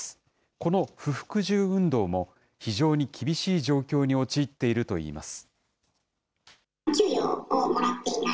この不服従運動も、非常に厳しい状況に陥っているといいます。